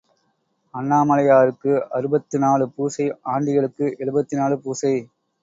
அண்ணாமலையாருக்கு அறுபத்து நாலு பூசை ஆண்டிகளுக்கு எழுபத்து நாலு பூசை.